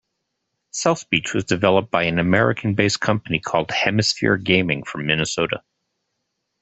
South Beach was developed by an American based company called Hemisphere Gaming from Minnesota.